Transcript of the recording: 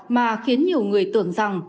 mà khiến nhiều người tưởng rằng